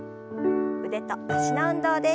腕と脚の運動です。